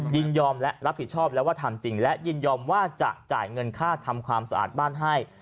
ยินยอมและรับผิดชอบแล้วว่าทำจริงและยินยอมว่าจะจ่ายเงินค่าทำความสะอาดบ้านให้